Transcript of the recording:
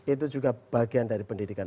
itu juga bagian dari pendidikan